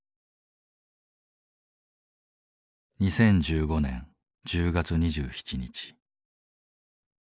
２０１５年１０月２７日。